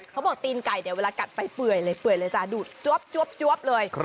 ตีนไก่เนี่ยเวลากัดไปเปื่อยเลยเปื่อยเลยจ้ะดูดจวบเลย